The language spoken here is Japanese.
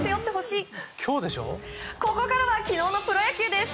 ここからは昨日のプロ野球です。